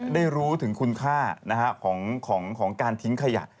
ได้รู้ถึงคุณค่าของการทิ้งขยะ